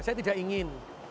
saya tidak ingin